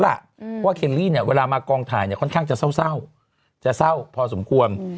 เพราะว่าเคลลี่เนี่ยเวลามากองถ่ายเนี่ยค่อนข้างจะเศร้าจะเศร้าพอสมควร